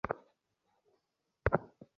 আমি শুধু কৌতুহলী।